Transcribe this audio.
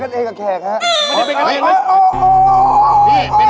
อาหารการกิน